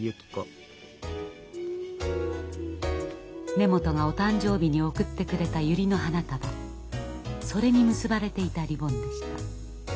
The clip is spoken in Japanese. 根本がお誕生日に贈ってくれたゆりの花束それに結ばれていたリボンでした。